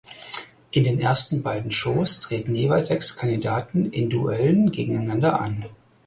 In den ersten beiden Shows treten jeweils sechs Kandidaten in Duellen gegeneinander an.